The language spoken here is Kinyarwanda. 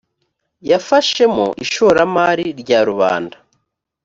yafashemo ishoramari rya rubanda